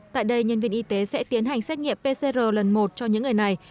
tại đây nhân viên y tế sẽ tiến hành xét nghiệm pcr lần một cho những người này